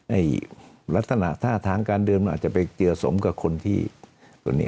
ลักษณะท่าทางการเดินมันอาจจะไปเจอสมกับคนที่ตัวนี้